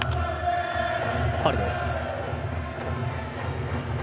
ファウルです。